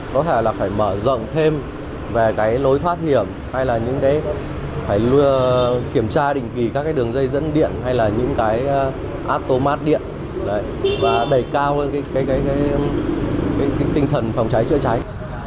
có thể là phải mở rộng thêm về cái lối thoát hiểm hay là những cái phải kiểm tra định kỳ các cái đường dây dẫn điện hay là những cái atomat điện và đẩy cao hơn cái tinh thần phòng cháy chữa cháy